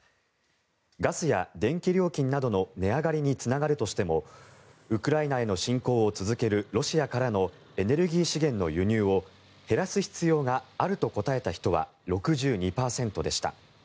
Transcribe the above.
ガスや電気料金などの値上がりにつながるとしてもウクライナへの侵攻を続けるロシアからのエネルギー資源の輸入を減らす必要があると答えた人は６２％でした。